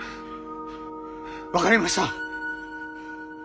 分かりました。